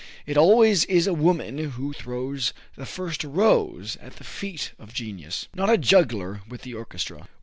It always is woman who throws the first rose at the feet of genius. Not a Juggler with the Orchestra.